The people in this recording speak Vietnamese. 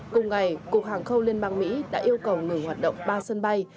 cùng ngày cục hàng không liên bang mỹ đã yêu cầu ngừng hoạt động ba sân bay